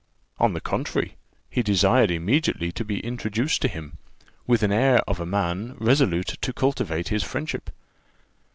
On the contrary, he desired immediately to be introduced to him, with the air of a man resolute to cultivate his friendship.